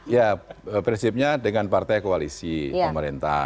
ya prinsipnya dengan partai koalisi pemerintah